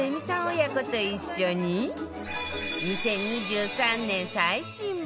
親子と一緒に２０２３年最新版